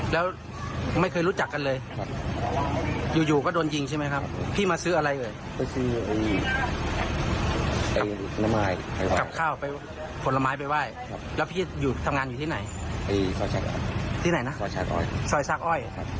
แล้วพี่ทำงานอยู่ที่ไหนที่ไหนนะซอยซากอ้อยซอยซากอ้อยอ๋อ